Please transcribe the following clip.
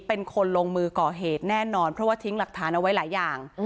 เป็นคนลงมือก่อเหตุแน่นอนเพราะว่าทิ้งหลักฐานเอาไว้หลายอย่าง